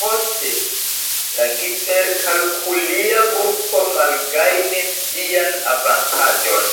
Poste la giperkalkulia grupo malgajnis ĝian avantaĝon.